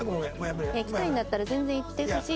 行きたいんだったら全然行ってほしいし。